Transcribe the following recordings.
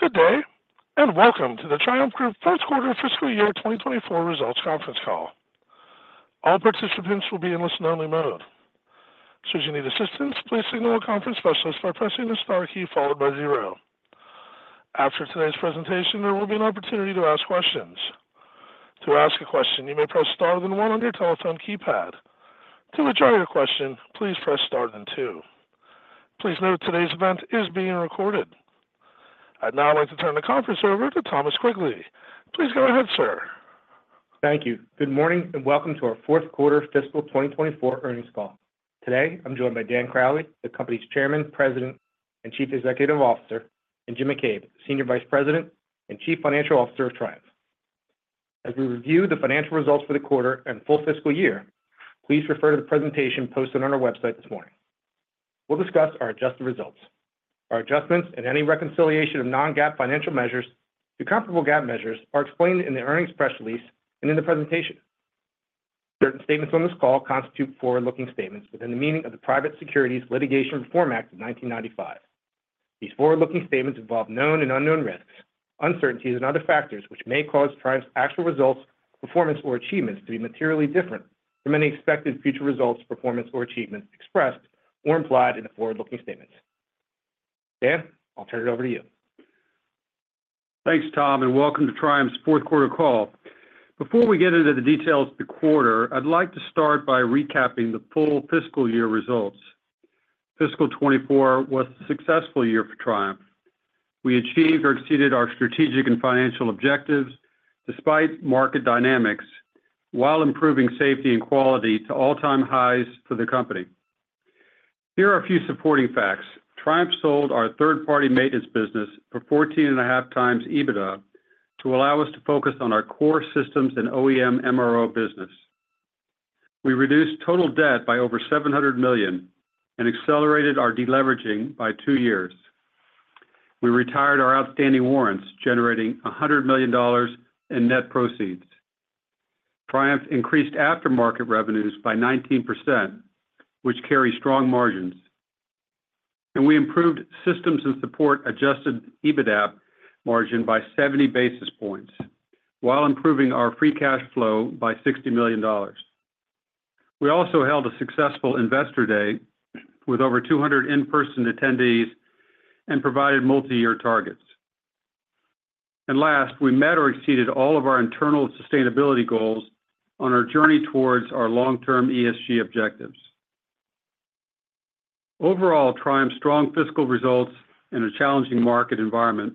Good day, and welcome to the Triumph Group Fourth Quarter Fiscal Year 2024 Results Conference Call. All participants will be in listen-only mode. Should you need assistance, please signal a conference specialist by pressing the star key followed by zero. After today's presentation, there will be an opportunity to ask questions. To ask a question, you may press star then One on your telephone keypad. To withdraw your question, please press star then Two. Please note, today's event is being recorded. I'd now like to turn the conference over to Thomas Quigley. Please go ahead, sir. Thank you. Good morning, and welcome to our Fourth Quarter Fiscal 2024 Earnings Call. Today, I'm joined by Dan Crowley, the company's Chairman, President, and Chief Executive Officer, and Jim McCabe, Senior Vice President and Chief Financial Officer of Triumph. As we review the financial results for the quarter and full fiscal year, please refer to the presentation posted on our website this morning. We'll discuss our adjusted results. Our adjustments and any reconciliation of non-GAAP financial measures to comparable GAAP measures are explained in the earnings press release and in the presentation. Certain statements on this call constitute forward-looking statements within the meaning of the Private Securities Litigation Reform Act of 1995. These forward-looking statements involve known and unknown risks, uncertainties and other factors, which may cause Triumph's actual results, performance, or achievements to be materially different from any expected future results, performance, or achievements expressed or implied in the forward-looking statements. Dan, I'll turn it over to you. Thanks, Tom, and welcome to Triumph's fourth quarter call. Before we get into the details of the quarter, I'd like to start by recapping the full fiscal year results. Fiscal 2024 was a successful year for Triumph. We achieved or exceeded our strategic and financial objectives despite market dynamics, while improving safety and quality to all-time highs for the company. Here are a few supporting facts. Triumph sold our third-party maintenance business for 14.5x EBITDA to allow us to focus on our core systems and OEM MRO business. We reduced total debt by over $700 million and accelerated our deleveraging by two years. We retired our outstanding warrants, generating $100 million in net proceeds. Triumph increased aftermarket revenues by 19%, which carry strong margins. We improved Systems and Support adjusted EBITDA margin by 70 basis points, while improving our free cash flow by $60 million. We also held a successful Investor Day with over 200 in-person attendees and provided multi-year targets. Last, we met or exceeded all of our internal sustainability goals on our journey towards our long-term ESG objectives. Overall, Triumph's strong fiscal results in a challenging market environment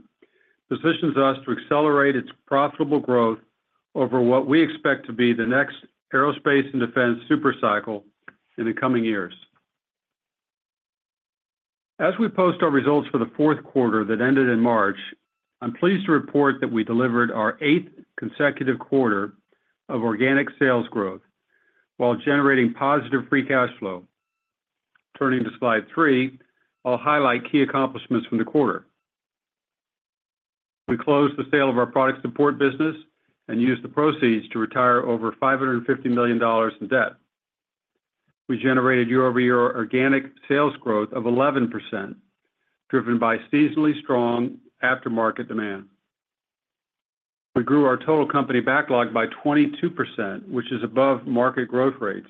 positions us to accelerate its profitable growth over what we expect to be the next aerospace and defense super cycle in the coming years. As we post our results for the fourth quarter that ended in March, I'm pleased to report that we delivered our eighth consecutive quarter of organic sales growth while generating positive free cash flow. Turning to Slide 3, I'll highlight key accomplishments from the quarter. We closed the sale of Product Support business and used the proceeds to retire over $550 million in debt. We generated year-over-year organic sales growth of 11%, driven by seasonally strong aftermarket demand. We grew our total company backlog by 22%, which is above market growth rates,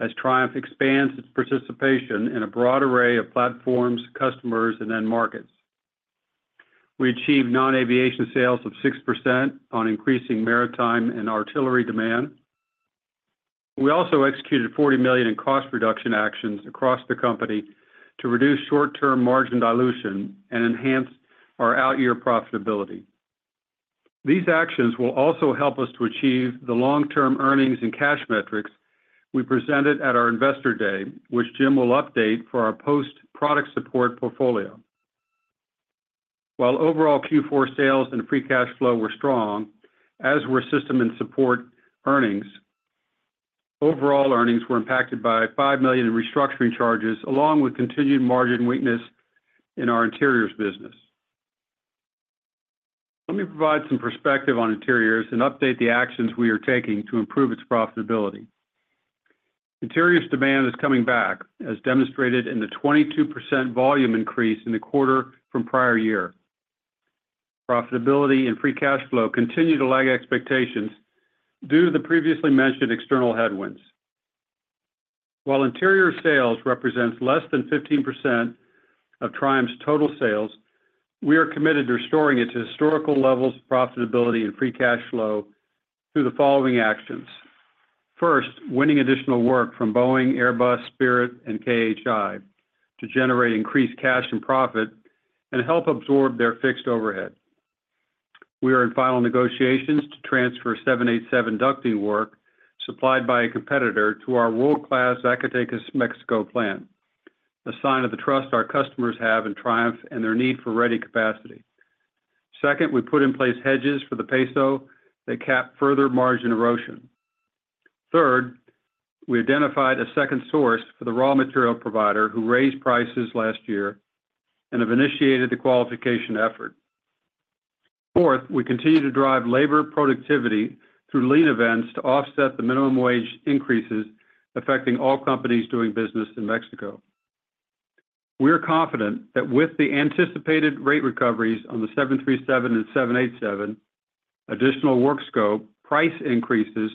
as Triumph expands its participation in a broad array of platforms, customers, and end markets. We achieved non-aviation sales of 6% on increasing maritime and artillery demand. We also executed $40 million in cost reduction actions across the company to reduce short-term margin dilution and enhance our out-year profitability. These actions will also help us to achieve the long-term earnings and cash metrics we presented at our Investor Day, which Jim will update for post-Product Support portfolio. While overall Q4 sales and free cash flow were strong, as were Systems and Support earnings, overall earnings were impacted by $5 million in restructuring charges, along with continued margin weakness in our Interiors business. Let me provide some perspective on Interiors and update the actions we are taking to improve its profitability. Interiors demand is coming back, as demonstrated in the 22% volume increase in the quarter from prior year. Profitability and free cash flow continue to lag expectations due to the previously mentioned external headwinds. While Interiors sales represents less than 15% of Triumph's total sales, we are committed to restoring it to historical levels of profitability and free cash flow through the following actions. First, winning additional work from Boeing, Airbus, Spirit, and KHI to generate increased cash and profit and help absorb their fixed overhead. We are in final negotiations to transfer 787 ducting work supplied by a competitor to our world-class Zacatecas, Mexico plant, a sign of the trust our customers have in Triumph and their need for ready capacity. Second, we put in place hedges for the peso that cap further margin erosion. Third, we identified a second source for the raw material provider who raised prices last year and have initiated the qualification effort. Fourth, we continue to drive labor productivity through lean events to offset the minimum wage increases affecting all companies doing business in Mexico. We're confident that with the anticipated rate recoveries on the 737 and 787, additional work scope, price increases,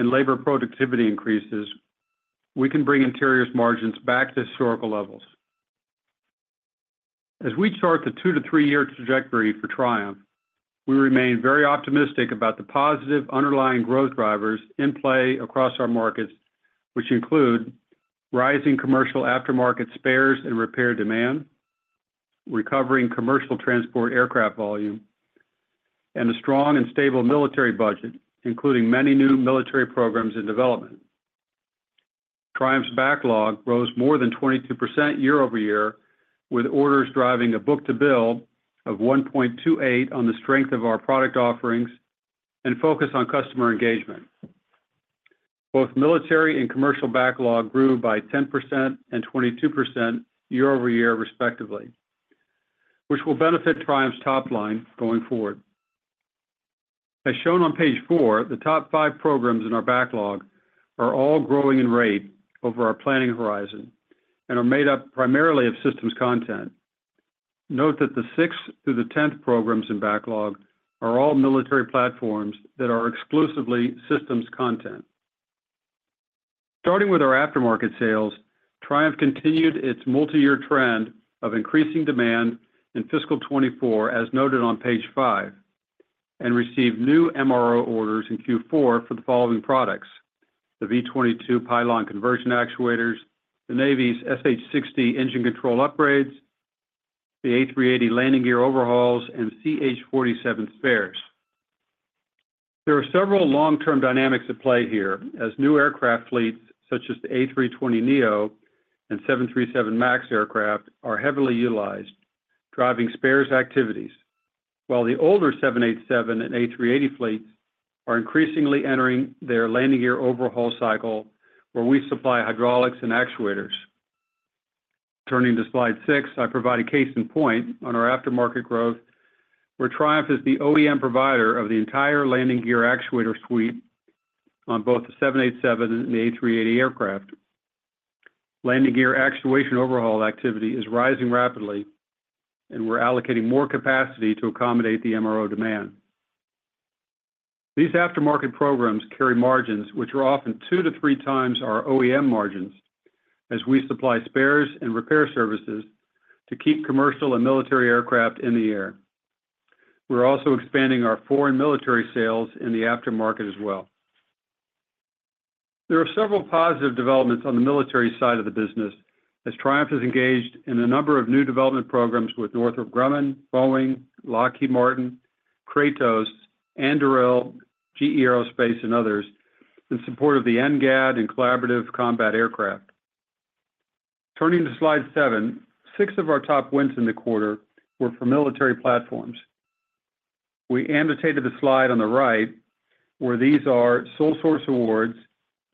and labor productivity increases, we can bring Interiors' margins back to historical levels. As we chart the two- to three-year trajectory for Triumph, we remain very optimistic about the positive underlying growth drivers in play across our markets, which include rising commercial aftermarket spares and repair demand, recovering commercial transport aircraft volume, and a strong and stable military budget, including many new military programs in development. Triumph's backlog rose more than 22% year-over-year, with orders driving a book-to-bill of 1.28 on the strength of our product offerings and focus on customer engagement. Both military and commercial backlog grew by 10% and 22% year-over-year, respectively, which will benefit Triumph's top line going forward. As shown on Page 4, the top five programs in our backlog are all growing in rate over our planning horizon and are made up primarily of systems content. Note that the sixth through the tenth programs in backlog are all military platforms that are exclusively systems content. Starting with our aftermarket sales, Triumph continued its multiyear trend of increasing demand in fiscal 2024, as noted on Page 5, and received new MRO orders in Q4 for the following products: the V-22 Pylon Conversion Actuators, the Navy's SH-60 engine control upgrades, the A380 landing gear overhauls, and CH-47 spares. There are several long-term dynamics at play here as new aircraft fleets, such as the A320neo and 737 MAX aircraft, are heavily utilized, driving spares activities, while the older 787 and A380 fleets are increasingly entering their landing gear overhaul cycle, where we supply hydraulics and actuators. Turning to Slide 6, I provide a case in point on our aftermarket growth, where Triumph is the OEM provider of the entire landing gear actuator suite on both the 787 and the A380 aircraft. Landing gear actuation overhaul activity is rising rapidly, and we're allocating more capacity to accommodate the MRO demand. These aftermarket programs carry margins which are often 2x-3x our OEM margins, as we supply spares and repair services to keep commercial and military aircraft in the air. We're also expanding our foreign military sales in the aftermarket as well. There are several positive developments on the military side of the business, as Triumph is engaged in a number of new development programs with Northrop Grumman, Boeing, Lockheed Martin, Kratos, Anduril, GE Aerospace, and others in support of the NGAD and Collaborative Combat Aircraft. Turning to Slide 7, six of our top wins in the quarter were for military platforms. We annotated the slide on the right, where these are sole source awards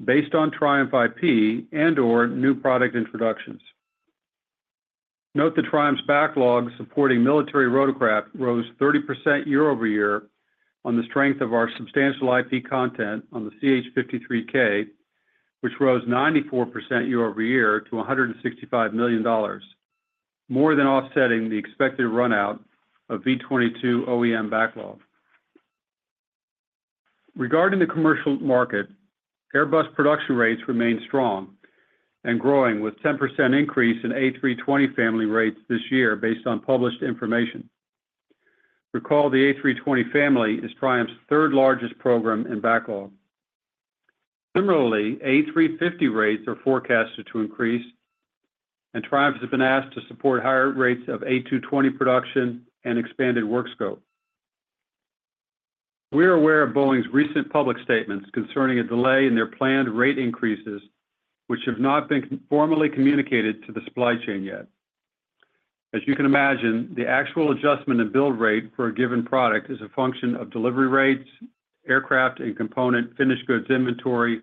based on Triumph IP and/or new product introductions. Note that Triumph's backlog supporting military rotorcraft rose 30% year-over-year on the strength of our substantial IP content on the CH-53K, which rose 94% year-over-year to $165 million, more than offsetting the expected run out of V-22 OEM backlog. Regarding the commercial market, Airbus production rates remain strong and growing, with 10% increase in A320 Family rates this year based on published information. Recall, the A320 Family is Triumph's third-largest program in backlog. Similarly, A350 rates are forecasted to increase, and Triumph has been asked to support higher rates of A220 production and expanded work scope. We are aware of Boeing's recent public statements concerning a delay in their planned rate increases, which have not been formally communicated to the supply chain yet. As you can imagine, the actual adjustment in build rate for a given product is a function of delivery rates, aircraft and component finished goods inventory,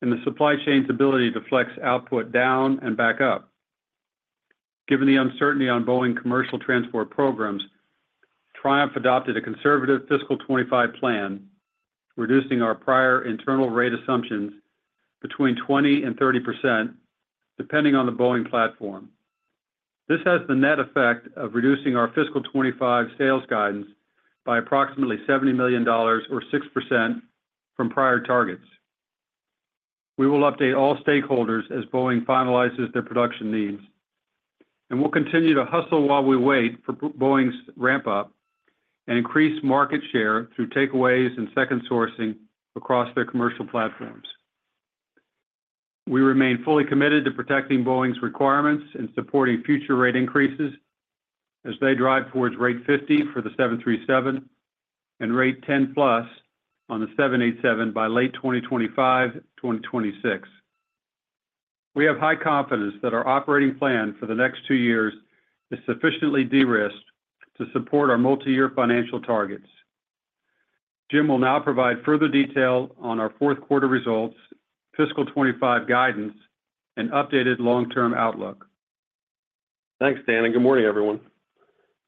and the supply chain's ability to flex output down and back up. Given the uncertainty on Boeing commercial transport programs, Triumph adopted a conservative fiscal 2025 plan, reducing our prior internal rate assumptions between 20% and 30%, depending on the Boeing platform. This has the net effect of reducing our fiscal 2025 sales guidance by approximately $70 million or 6% from prior targets. We will update all stakeholders as Boeing finalizes their production needs, and we'll continue to hustle while we wait for Boeing's ramp up and increase market share through takeaways and second sourcing across their commercial platforms. We remain fully committed to protecting Boeing's requirements and supporting future rate increases as they drive towards rate 50 for the 737 and rate 10+ on the 787 by late 2025, 2026. We have high confidence that our operating plan for the next two years is sufficiently de-risked to support our multi-year financial targets. Jim will now provide further detail on our fourth quarter results, fiscal 2025 guidance, and updated long-term outlook. Thanks, Dan, and good morning, everyone.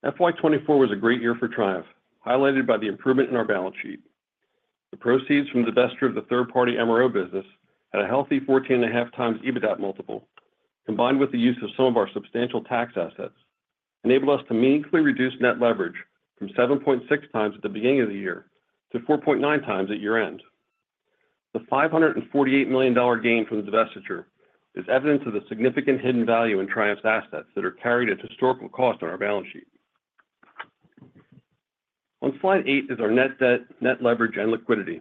FY 2024 was a great year for Triumph, highlighted by the improvement in our balance sheet. The proceeds from the divestiture of the third-party MRO business at a healthy 14.5x EBITDA multiple, combined with the use of some of our substantial tax assets, enabled us to meaningfully reduce net leverage from 7.6x at the beginning of the year to 4.9x at year-end. The $548 million gain from the divestiture is evidence of the significant hidden value in Triumph's assets that are carried at historical cost on our balance sheet. On Slide 8 is our net debt, net leverage, and liquidity.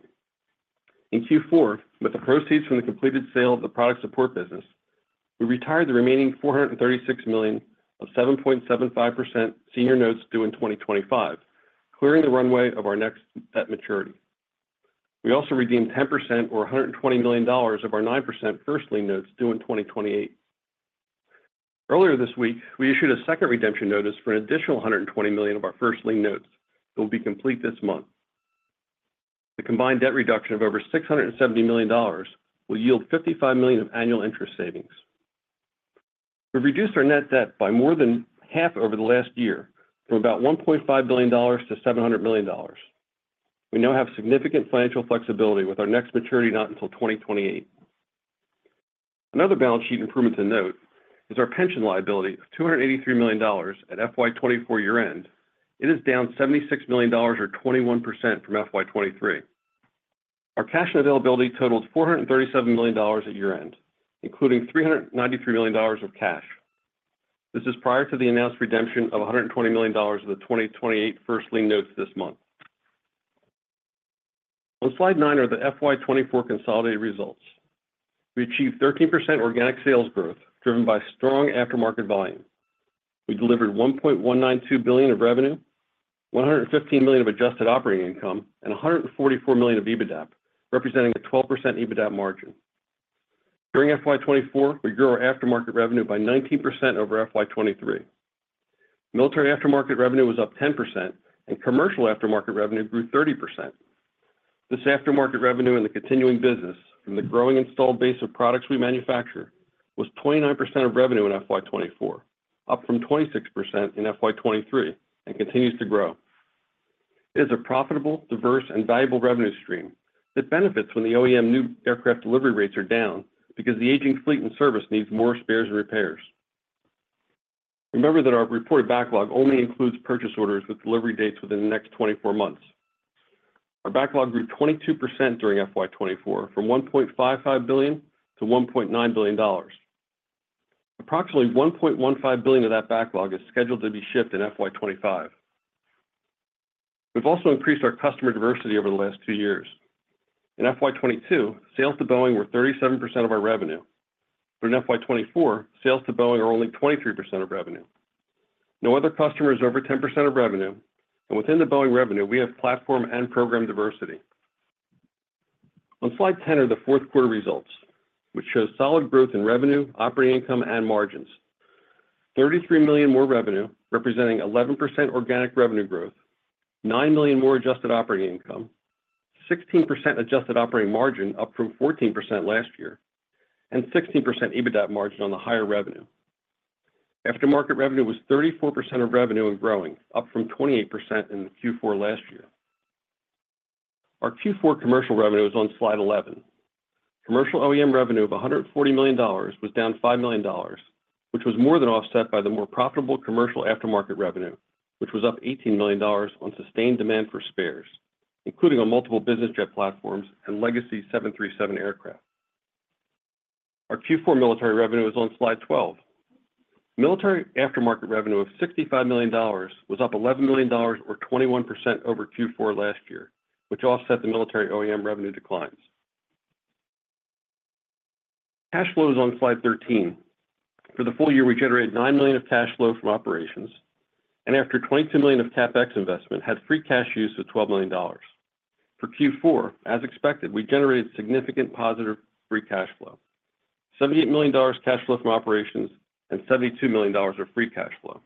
In Q4, with the proceeds from the completed sale of Product Support business, we retired the remaining $436 million of 7.75% senior notes due in 2025, clearing the runway of our next debt maturity. We also redeemed 10% or $120 million of our 9% first lien notes due in 2028. Earlier this week, we issued a second redemption notice for an additional $120 million of our first lien notes. It will be complete this month. The combined debt reduction of over $670 million will yield $55 million of annual interest savings. We've reduced our net debt by more than half over the last year, from about $1.5 billion to $700 million. We now have significant financial flexibility, with our next maturity not until 2028. Another balance sheet improvement to note is our pension liability of $283 million at FY 2024 year-end. It is down $76 million or 21% from FY 2023. Our cash and availability totals $437 million at year-end, including $393 million of cash. This is prior to the announced redemption of $120 million of the 2028 first lien notes this month. On Slide 9 are the FY 2024 consolidated results. We achieved 13% organic sales growth, driven by strong aftermarket volume. We delivered $1.192 billion of revenue, $115 million of adjusted operating income, and $144 million of EBITDA, representing a 12% EBITDA margin. During FY 2024, we grew our aftermarket revenue by 19% over FY 2023. Military aftermarket revenue was up 10%, and commercial aftermarket revenue grew 30%. This aftermarket revenue in the continuing business from the growing installed base of products we manufacture was 29% of revenue in FY 2024, up from 26% in FY 2023, and continues to grow. It is a profitable, diverse, and valuable revenue stream that benefits when the OEM new aircraft delivery rates are down because the aging fleet and service needs more spares and repairs. Remember that our reported backlog only includes purchase orders with delivery dates within the next 24 months. Our backlog grew 22% during FY 2024, from $1.55 billion to $1.9 billion. Approximately $1.15 billion of that backlog is scheduled to be shipped in FY 2025. We've also increased our customer diversity over the last two years. In FY 2022, sales to Boeing were 37% of our revenue, but in FY 2024, sales to Boeing are only 23% of revenue. No other customer is over 10% of revenue, and within the Boeing revenue, we have platform and program diversity. On Slide 10 are the fourth quarter results, which shows solid growth in revenue, operating income, and margins. $33 million more revenue, representing 11% organic revenue growth, $9 million more adjusted operating income, 16% adjusted operating margin up from 14% last year, and 16% EBITDA margin on the higher revenue. Aftermarket revenue was 34% of revenue and growing, up from 28% in Q4 last year. Our Q4 commercial revenue is on Slide 11. Commercial OEM revenue of $140 million was down $5 million, which was more than offset by the more profitable commercial aftermarket revenue, which was up $18 million on sustained demand for spares, including on multiple business jet platforms and legacy 737 aircraft. Our Q4 military revenue is on Slide 12. Military aftermarket revenue of $65 million was up $11 million or 21% over Q4 last year, which offset the military OEM revenue declines. Cash flow is on Slide 13. For the full year, we generated $9 million of cash flow from operations, and after $22 million of CapEx investment, had free cash use of $12 million. For Q4, as expected, we generated significant positive free cash flow. $78 million cash flow from operations, and $72 million of free cash flow.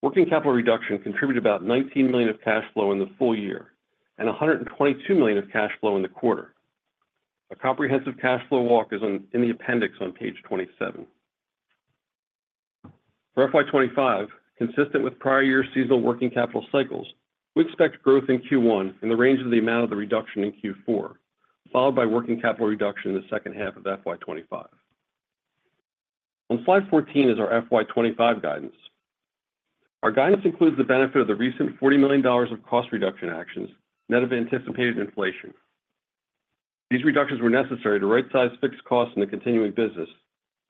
Working capital reduction contributed about $19 million of cash flow in the full year and $122 million of cash flow in the quarter. A comprehensive cash flow walk is in the appendix on Page 27. For FY 2025, consistent with prior year seasonal working capital cycles, we expect growth in Q1 in the range of the amount of the reduction in Q4, followed by working capital reduction in the second half of FY 2025. On Slide 14 is our FY 2025 guidance. Our guidance includes the benefit of the recent $40 million of cost reduction actions, net of anticipated inflation. These reductions were necessary to rightsize fixed costs in the continuing business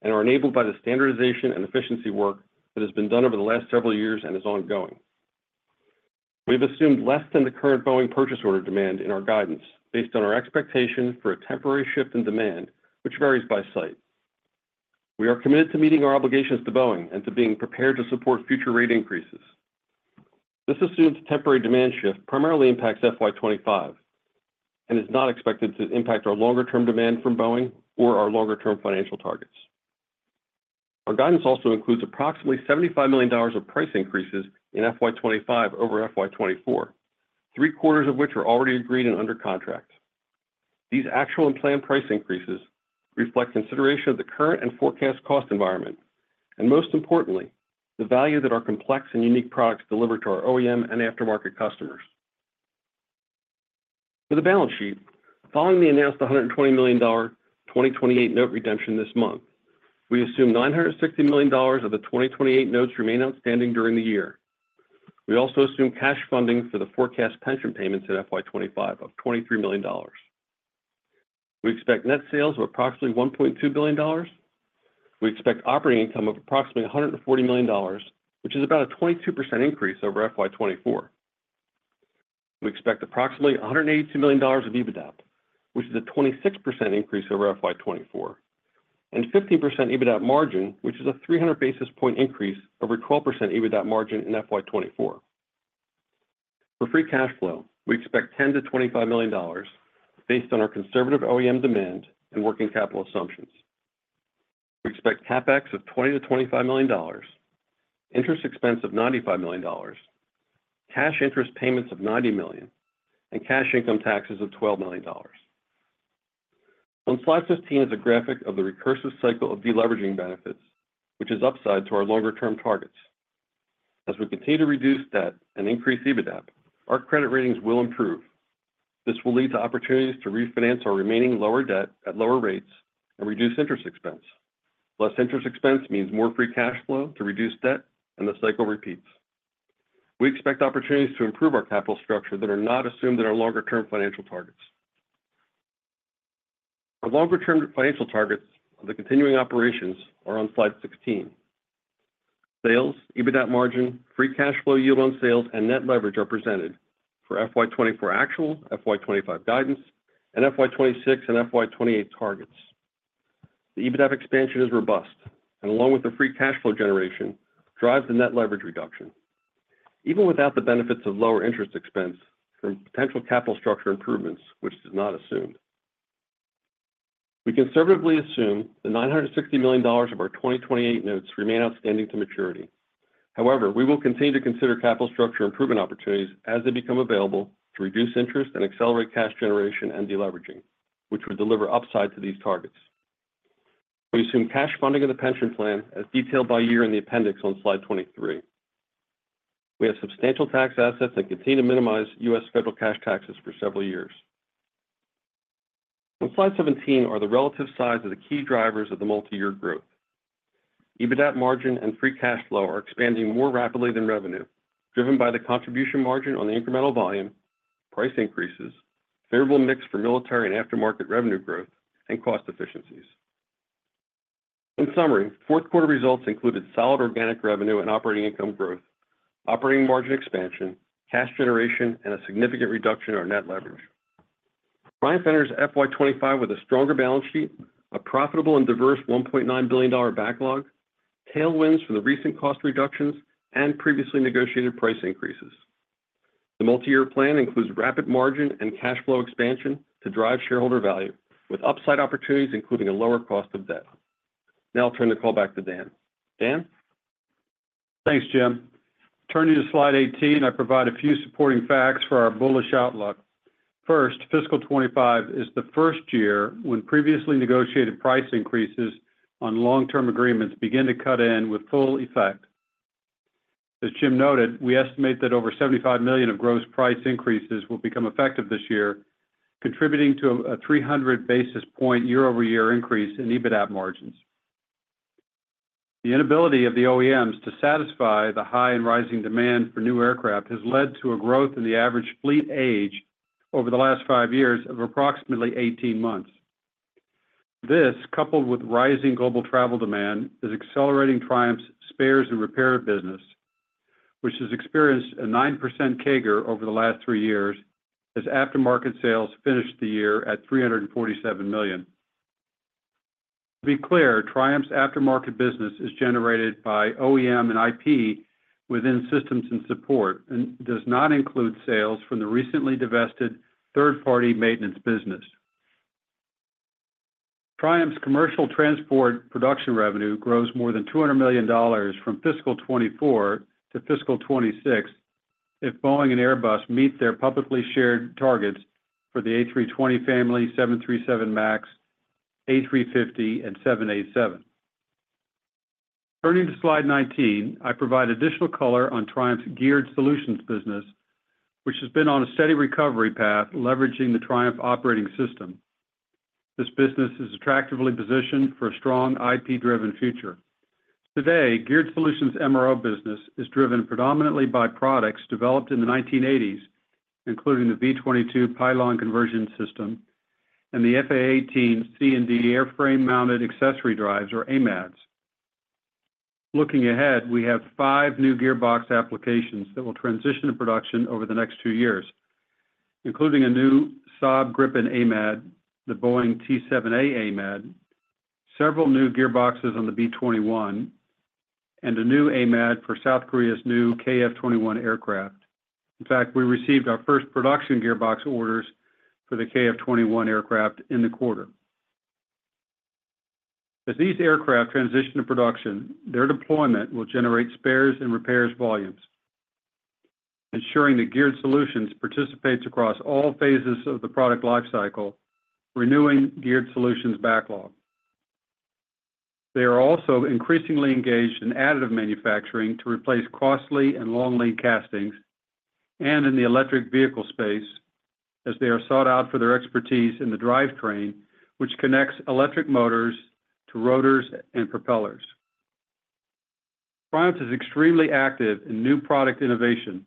and are enabled by the standardization and efficiency work that has been done over the last several years and is ongoing. We've assumed less than the current Boeing purchase order demand in our guidance, based on our expectation for a temporary shift in demand, which varies by site. We are committed to meeting our obligations to Boeing and to being prepared to support future rate increases. This assumes temporary demand shift primarily impacts FY 2025 and is not expected to impact our longer-term demand from Boeing or our longer-term financial targets. Our guidance also includes approximately $75 million of price increases in FY 2025 over FY 2024, three-quarters of which are already agreed and under contract. These actual and planned price increases reflect consideration of the current and forecast cost environment, and most importantly, the value that our complex and unique products deliver to our OEM and aftermarket customers. For the balance sheet, following the announced $120 million, 2028 note redemption this month, we assume $960 million of the 2028 notes remain outstanding during the year. We also assume cash funding for the forecast pension payments in FY 2025 of $23 million. We expect net sales of approximately $1.2 billion. We expect operating income of approximately $140 million, which is about a 22% increase over FY 2024. We expect approximately $182 million of EBITDA, which is a 26% increase over FY 2024, and 15% EBITDA margin, which is a 300 basis point increase over 12% EBITDA margin in FY 2024. For free cash flow, we expect $10 million-$25 million based on our conservative OEM demand and working capital assumptions. We expect CapEx of $20 million-$25 million, interest expense of $95 million, cash interest payments of $90 million, and cash income taxes of $12 million. On Slide 15 is a graphic of the recursive cycle of deleveraging benefits, which is upside to our longer-term targets. As we continue to reduce debt and increase EBITDA, our credit ratings will improve. This will lead to opportunities to refinance our remaining lower debt at lower rates and reduce interest expense. Less interest expense means more free cash flow to reduce debt, and the cycle repeats. We expect opportunities to improve our capital structure that are not assumed in our longer-term financial targets. Our longer-term financial targets on the continuing operations are on Slide 16. Sales, EBITDA margin, free cash flow yield on sales, and net leverage are presented for FY 2024 actual, FY 2025 guidance, and FY 2026 and FY 2028 targets. The EBITDA expansion is robust, and along with the free cash flow generation, drives the net leverage reduction. Even without the benefits of lower interest expense from potential capital structure improvements, which is not assumed, we conservatively assume the $960 million of our 2028 notes remain outstanding to maturity. However, we will continue to consider capital structure improvement opportunities as they become available to reduce interest and accelerate cash generation and deleveraging, which would deliver upside to these targets. We assume cash funding of the pension plan as detailed by year in the appendix on Slide 23. We have substantial tax assets that continue to minimize U.S. federal cash taxes for several years. On Slide 17 are the relative size of the key drivers of the multi-year growth. EBITDA margin and free cash flow are expanding more rapidly than revenue, driven by the contribution margin on the incremental volume, price increases, favorable mix for military and aftermarket revenue growth, and cost efficiencies. In summary, fourth quarter results included solid organic revenue and operating income growth, operating margin expansion, cash generation, and a significant reduction in our net leverage. Triumph enters FY 2025 with a stronger balance sheet, a profitable and diverse $1.9 billion backlog, tailwinds from the recent cost reductions, and previously negotiated price increases. The multi-year plan includes rapid margin and cash flow expansion to drive shareholder value, with upside opportunities, including a lower cost of debt. Now I'll turn the call back to Dan. Dan? Thanks, Jim. Turning to Slide 18, I provide a few supporting facts for our bullish outlook. First, fiscal 2025 is the first year when previously negotiated price increases on long-term agreements begin to cut in with full effect. As Jim noted, we estimate that over $75 million of gross price increases will become effective this year, contributing to a 300 basis point year-over-year increase in EBITDA margins. The inability of the OEMs to satisfy the high and rising demand for new aircraft has led to a growth in the average fleet age over the last five years of approximately 18 months. This, coupled with rising global travel demand, is accelerating Triumph's spares and repair business, which has experienced a 9% CAGR over the last three years, as aftermarket sales finished the year at $347 million. To be clear, Triumph's aftermarket business is generated by OEM and IP within Systems and Support, and does not include sales from the recently divested third-party maintenance business. Triumph's commercial transport production revenue grows more than $200 million from fiscal 2024 to fiscal 2026 if Boeing and Airbus meet their publicly shared targets for the A320 Family, 737 MAX, A350, and 787. Turning to Slide 19, I provide additional color on Triumph's Geared Solutions business, which has been on a steady recovery path, leveraging the Triumph Operating System. This business is attractively positioned for a strong IP-driven future. Today, Geared Solutions MRO business is driven predominantly by products developed in the 1980s, including the V-22 Pylon Conversion System and the F/A-18C and D Airframe Mounted Accessory Drives, or AMADs. Looking ahead, we have five new gearbox applications that will transition to production over the next two years, including a new Saab Gripen AMAD, the Boeing T-7A AMAD, several new gearboxes on the B-21... and a new AMAD for South Korea's new KF-21 aircraft. In fact, we received our first production gearbox orders for the KF-21 aircraft in the quarter. As these aircraft transition to production, their deployment will generate spares and repairs volumes, ensuring that Geared Solutions participates across all phases of the product lifecycle, renewing Geared Solutions backlog. They are also increasingly engaged in additive manufacturing to replace costly and long lead castings, and in the electric vehicle space, as they are sought out for their expertise in the drivetrain, which connects electric motors to rotors and propellers. Triumph is extremely active in new product innovation,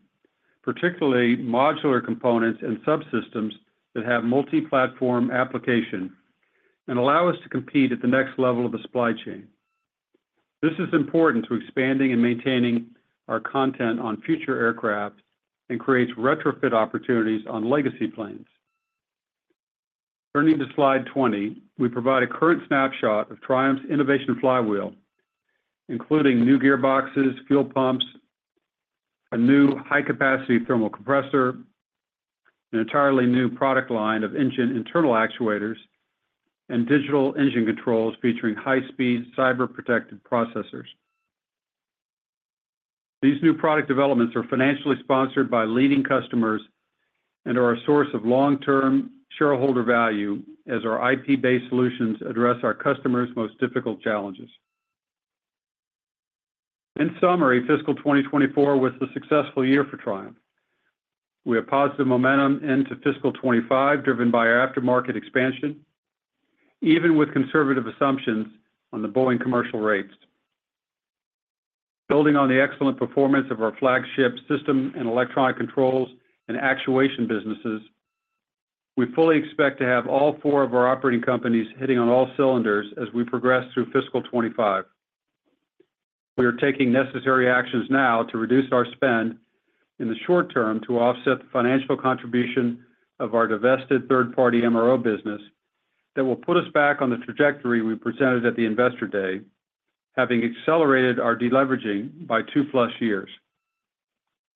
particularly modular components and subsystems that have multi-platform application and allow us to compete at the next level of the supply chain. This is important to expanding and maintaining our content on future aircraft and creates retrofit opportunities on legacy planes. Turning to Slide 20, we provide a current snapshot of Triumph's innovation flywheel, including new gearboxes, fuel pumps, a new high-capacity thermal compressor, an entirely new product line of engine internal actuators, and digital engine controls featuring high-speed, cyber-protected processors. These new product developments are financially sponsored by leading customers and are a source of long-term shareholder value as our IP-based solutions address our customers' most difficult challenges. In summary, fiscal 2024 was a successful year for Triumph. We have positive momentum into fiscal 2025, driven by our aftermarket expansion, even with conservative assumptions on the Boeing commercial rates. Building on the excellent performance of our flagship Systems and Electronic Controls and Actuation businesses, we fully expect to have all four of our operating companies hitting on all cylinders as we progress through fiscal 2025. We are taking necessary actions now to reduce our spend in the short term to offset the financial contribution of our divested third-party MRO business that will put us back on the trajectory we presented at the Investor Day, having accelerated our deleveraging by two-plus years.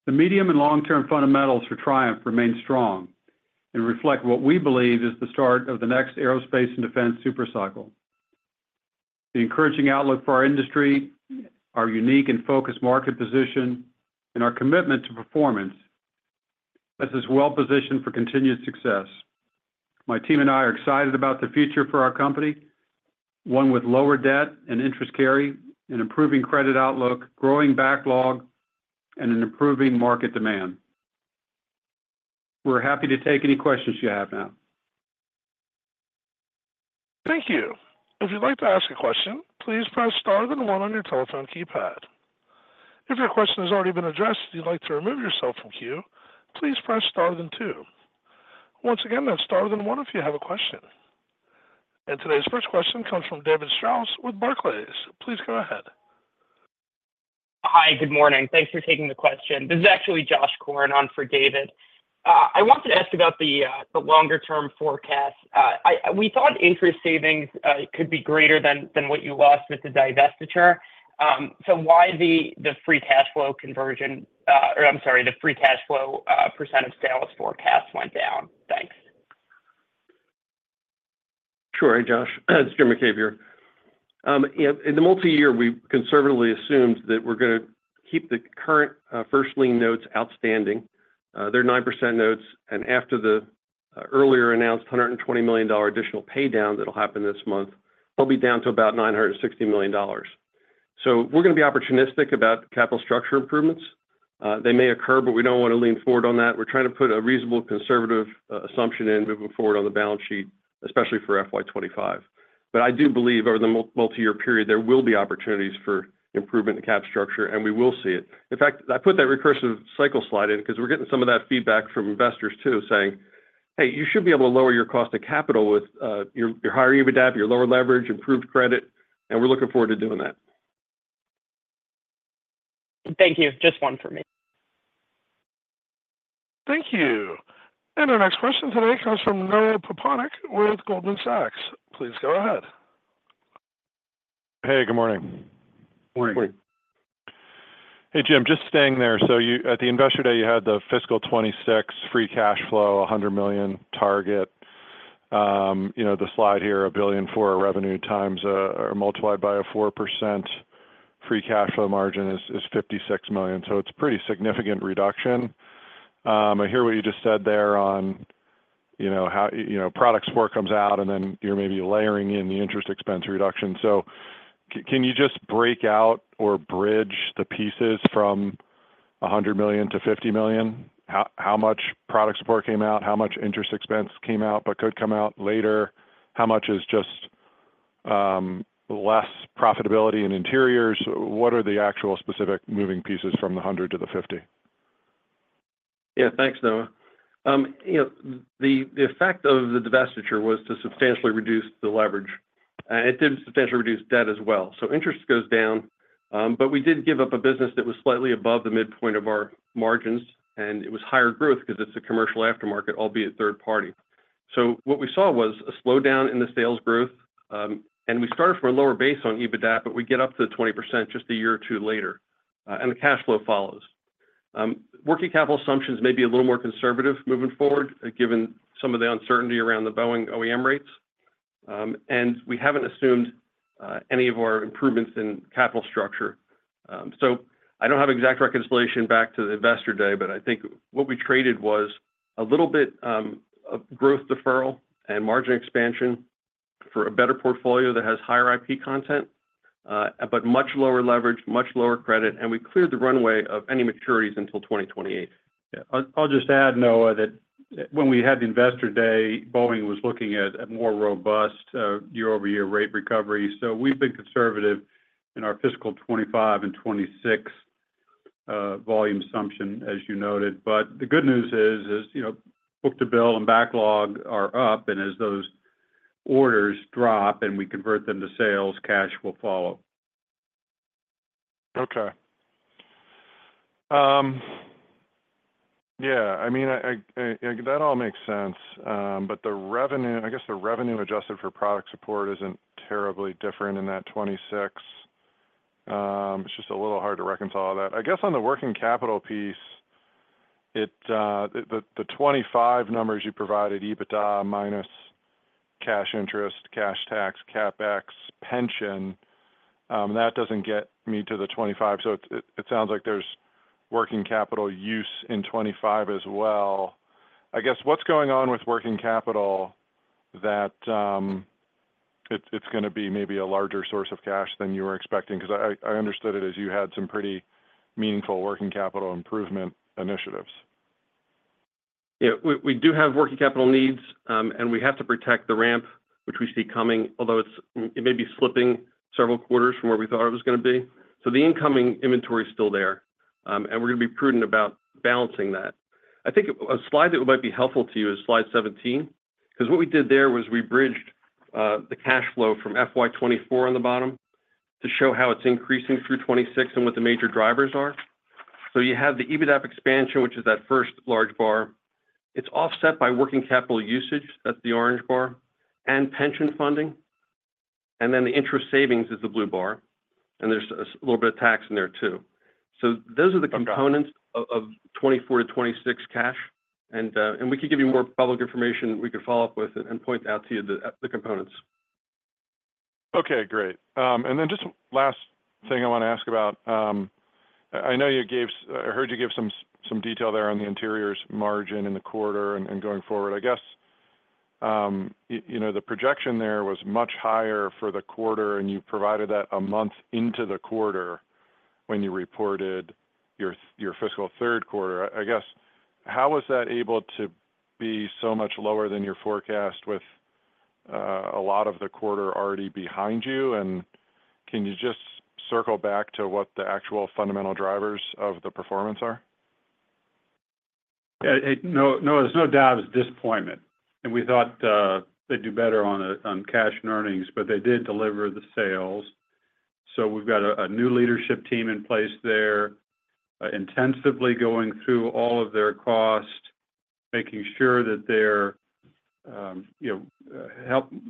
The medium and long-term fundamentals for Triumph remain strong and reflect what we believe is the start of the next aerospace and defense super cycle. The encouraging outlook for our industry, our unique and focused market position, and our commitment to performance, this is well positioned for continued success. My team and I are excited about the future for our company, one with lower debt and interest carry, an improving credit outlook, growing backlog, and an improving market demand. We're happy to take any questions you have now. Thank you. If you'd like to ask a question, please press star then one on your telephone keypad. If your question has already been addressed, and you'd like to remove yourself from queue, please press star then two. Once again, that's star then one if you have a question. And today's first question comes from David Strauss with Barclays. Please go ahead. Hi, good morning. Thanks for taking the question. This is actually Josh Korn on for David. I wanted to ask about the longer-term forecast. We thought interest savings could be greater than what you lost with the divestiture. So why the free cash flow conversion, or I'm sorry, the free cash flow percent of sales forecast went down? Thanks. Sure, Josh. It's Jim McCabe here. In the multi-year, we conservatively assumed that we're going to keep the current first lien notes outstanding. They're 9% notes, and after the earlier announced $120 million additional pay down, that'll happen this month, they'll be down to about $960 million. So we're going to be opportunistic about capital structure improvements. They may occur, but we don't want to lean forward on that. We're trying to put a reasonable conservative assumption in moving forward on the balance sheet, especially for FY 2025. But I do believe over the multi-year period, there will be opportunities for improvement in the cap structure, and we will see it. In fact, I put that recursive cycle slide in because we're getting some of that feedback from investors, too, saying, "Hey, you should be able to lower your cost of capital with your higher EBITDA, your lower leverage, improved credit," and we're looking forward to doing that. Thank you. Just one for me. Thank you. Our next question today comes from Noah Poponak with Goldman Sachs. Please go ahead. Hey, good morning. Morning. Hey, Jim, just staying there. So you—at the Investor Day, you had the fiscal 2026 free cash flow, $100 million target. You know, the slide here, $1 billion for our revenue times, or multiplied by a 4% free cash flow margin is $56 million. So it's a pretty significant reduction. I hear what you just said there on, you know, how, you Product Support comes out, and then you're maybe layering in the interest expense reduction. So can you just break out or bridge the pieces from $100 million to $50 million? How Product Support came out, how much interest expense came out, but could come out later? How much is just less profitability in Interiors? What are the actual specific moving pieces from the $100 million to the $50 million? Yeah. Thanks, Noah. You know, the effect of the divestiture was to substantially reduce the leverage, it did substantially reduce debt as well. So interest goes down, but we did give up a business that was slightly above the midpoint of our margins, and it was higher growth because it's a commercial aftermarket, albeit third party. So what we saw was a slowdown in the sales growth, and we started from a lower base on EBITDA, but we get up to 20% just a year or two later, and the cash flow follows. Working capital assumptions may be a little more conservative moving forward, given some of the uncertainty around the Boeing OEM rates. And we haven't assumed any of our improvements in capital structure. So I don't have exact reconciliation back to the Investor Day, but I think what we traded was a little bit of growth deferral and margin expansion for a better portfolio that has higher IP content, but much lower leverage, much lower credit, and we cleared the runway of any maturities until 2028. Yeah. I'll, I'll just add, Noah, that when we had the Investor Day, Boeing was looking at a more robust year-over-year rate recovery. So we've been conservative in our fiscal 2025 and 2026 volume assumption, as you noted. But the good news is, you know, book-to-bill and backlog are up, and as those orders drop and we convert them to sales, cash will follow. Okay. Yeah, I mean, that all makes sense. But the revenue - I guess the revenue adjusted Product Support isn't terribly different in that 2026. It's just a little hard to reconcile that. I guess on the working capital piece, it-- The 2025 numbers you provided, EBITDA minus cash interest, cash tax, CapEx, that doesn't get me to the 2025. So it sounds like there's working capital use in 2025 as well. I guess, what's going on with working capital that it, it's going to be maybe a larger source of cash than you were expecting? Because I understood it as you had some pretty meaningful working capital improvement initiatives. Yeah. We do have working capital needs, and we have to protect the ramp, which we see coming, although it may be slipping several quarters from where we thought it was going to be. So the incoming inventory is still there. And we're going to be prudent about balancing that. I think a slide that might be helpful to you is Slide 17, because what we did there was we bridged the cash flow from FY 2024 on the bottom to show how it's increasing through 2026 and what the major drivers are. So you have the EBITDA expansion, which is that first large bar. It's offset by working capital usage, that's the orange bar, and pension funding, and then the interest savings is the blue bar, and there's a little bit of tax in there, too. So those are the components- Okay. - of 2024 to 2026 cash. And we can give you more public information. We can follow up with and point out to you the components. Okay, great. And then just last thing I want to ask about, I know you gave-- I heard you give some, some detail there on the Interiors margin in the quarter and, and going forward. I guess, you know, the projection there was much higher for the quarter, and you provided that a month into the quarter when you reported your, your fiscal third quarter. I guess, how was that able to be so much lower than your forecast, with, a lot of the quarter already behind you? And can you just circle back to what the actual fundamental drivers of the performance are? Yeah, no, there's no doubt it's disappointment, and we thought they'd do better on cash and earnings, but they did deliver the sales. So we've got a new leadership team in place there, intensively going through all of their costs, making sure that they're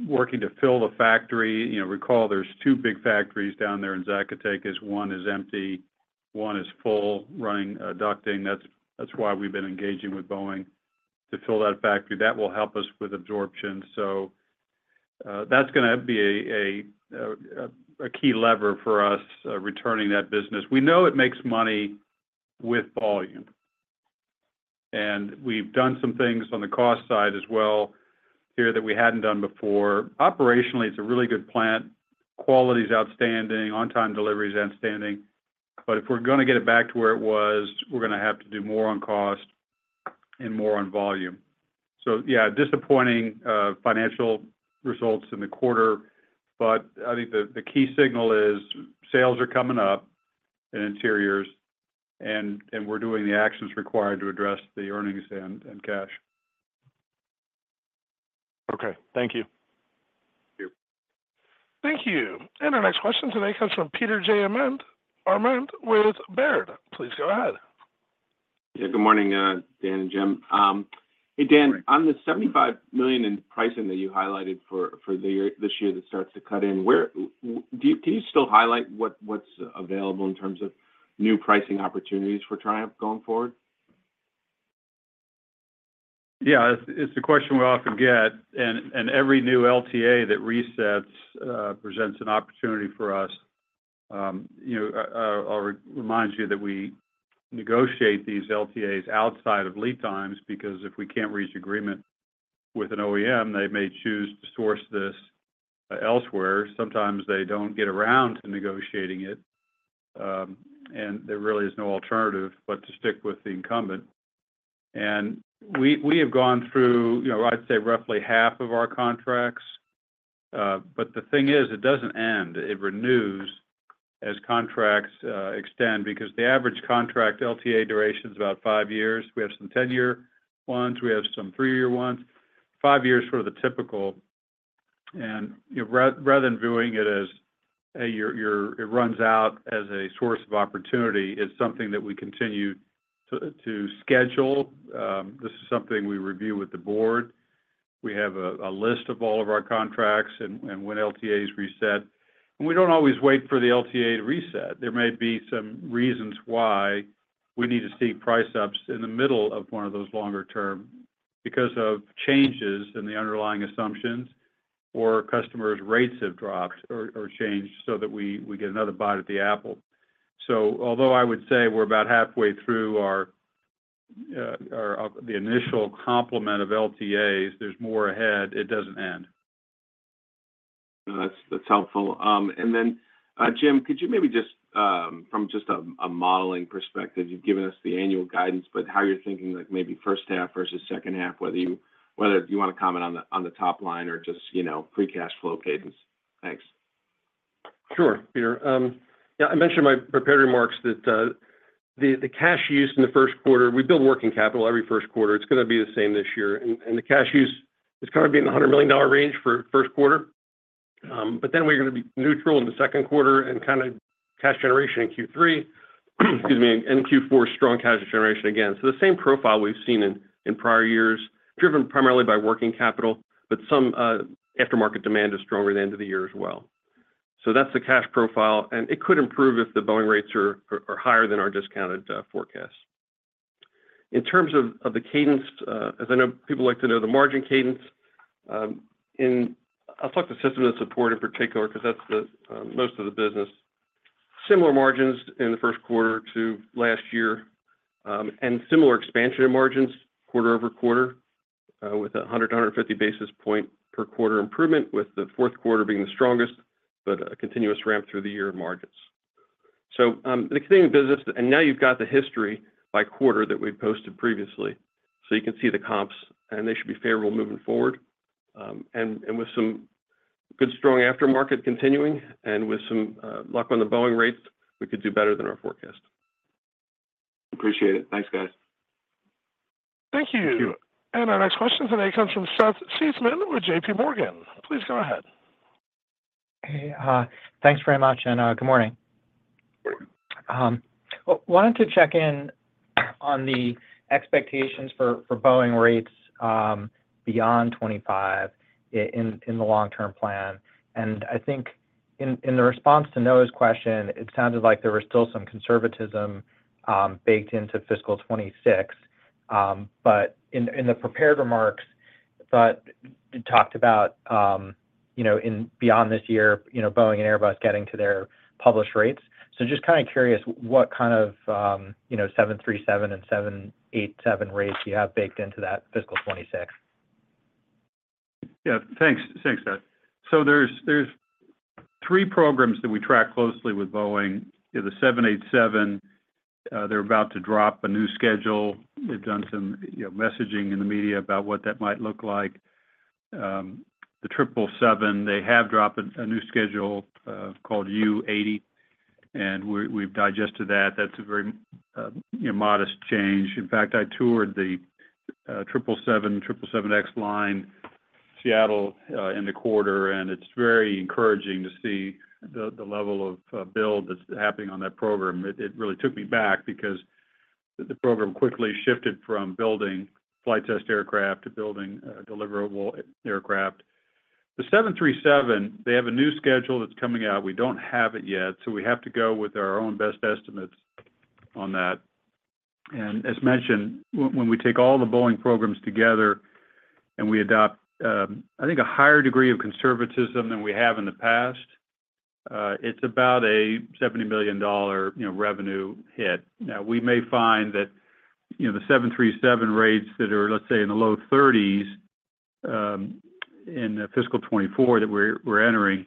working to fill the factory. You know, recall there's two big factories down there in Zacatecas. One is empty, one is full, running ducting. That's why we've been engaging with Boeing to fill that factory. That will help us with absorption. So that's gonna be a key lever for us returning that business. We know it makes money with volume, and we've done some things on the cost side as well here that we hadn't done before. Operationally, it's a really good plant. Quality is outstanding, on-time delivery is outstanding, but if we're going to get it back to where it was, we're going to have to do more on cost and more on volume. So yeah, disappointing, financial results in the quarter, but I think the, the key signal is sales are coming up in nteriors and we're doing the actions required to address the earnings and, and cash. Okay. Thank you. Thank you. Thank you. And our next question today comes from Peter J. Arment with Baird. Please go ahead. Yeah, good morning, Dan and Jim. Hey, Dan, on the $75 million in pricing that you highlighted for this year that starts to cut in, where can you still highlight what's available in terms of new pricing opportunities for Triumph going forward? Yeah, it's a question we often get, and every new LTA that resets presents an opportunity for us. You know, I'll remind you that we negotiate these LTAs outside of lead times, because if we can't reach agreement with an OEM, they may choose to source this elsewhere. Sometimes they don't get around to negotiating it, and there really is no alternative but to stick with the incumbent. And we have gone through, you know, I'd say roughly half of our contracts, but the thing is, it doesn't end. It renews as contracts extend, because the average contract LTA duration is about five years. We have some 10-year ones, we have some three-year ones. Five years is sort of the typical, rather than viewing it as it runs out as a source of opportunity, it's something that we continue to schedule. This is something we review with the board. We have a list of all of our contracts and when LTAs reset, and we don't always wait for the LTA to reset. There may be some reasons why we need to seek price ups in the middle of one of those longer term because of changes in the underlying assumptions or customers' rates have dropped or changed so that we get another bite at the apple. So although I would say we're about halfway through our initial complement of LTAs, there's more ahead. It doesn't end. That's, that's helpful. And then, Jim, could you maybe just from just a modeling perspective, you've given us the annual guidance, but how you're thinking, like maybe first half versus second half, whether you wanna comment on the top line or just, you know, free cash flow cadence. Thanks. Sure, Peter. Yeah, I mentioned in my prepared remarks that the cash use in the first quarter, we build working capital every first quarter, it's gonna be the same this year. And the cash use is gonna be in the $100 million range for first quarter. But then we're gonna be neutral in the second quarter and kinda cash generation in Q3, excuse me, and Q4, strong cash generation again. So the same profile we've seen in prior years, driven primarily by working capital, but some aftermarket demand is stronger at the end of the year as well. So that's the cash profile, and it could improve if the Boeing rates are higher than our discounted forecast. In terms of the cadence, as I know, people like to know the margin cadence, in— I'll talk to Systems and Support in particular, 'cause that's the most of the business. Similar margins in the first quarter to last year, and similar expansion in margins quarter-over-quarter, with 100-150 basis point per quarter improvement, with the fourth quarter being the strongest, but a continuous ramp through the year in margins. So, the existing business, and now you've got the history by quarter that we've posted previously, so you can see the comps, and they should be favorable moving forward. With some good, strong aftermarket continuing and with some luck on the Boeing rates, we could do better than our forecast. Appreciate it. Thanks, guys. Thank you. Thank you. Our next question today comes from Seth Seifman with JPMorgan. Please go ahead. Hey, thanks very much, and, good morning. Wanted to check in on the expectations for, for Boeing rates, beyond 2025 in the long-term plan. I think in the response to Noah's question, it sounded like there was still some conservatism baked into fiscal 2026. But in the prepared remarks, but you talked about, you know, in beyond this year, you know, Boeing and Airbus getting to their published rates. So just kind of curious, what kind of, you know, 737 and 787 rates you have baked into that fiscal 2026? Yeah, thanks. Thanks, Seth. So there's three programs that we track closely with Boeing. The 787, they're about to drop a new schedule. They've done some, you know, messaging in the media about what that might look like. The 777X, they have dropped a new schedule called U80, and we've digested that. That's a very modest change. In fact, I toured the 777X line, Seattle, in the quarter, and it's very encouraging to see the level of build that's happening on that program. It really took me back because the program quickly shifted from building flight test aircraft to building deliverable aircraft. The 737, they have a new schedule that's coming out. We don't have it yet, so we have to go with our own best estimates on that. And as mentioned, when we take all the Boeing programs together and we adopt, I think a higher degree of conservatism than we have in the past, it's about a $70 million, you know, revenue hit. Now, we may find that, you know, the 737 rates that are, let's say, in the low 30s, in fiscal 2024 that